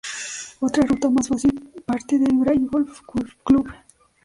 Otra ruta más fácil parte del Bray Golf Club.